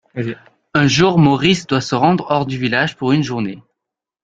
Un jour, Maurice doit se rendre hors du village pour une journée.